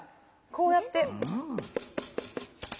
こうやって。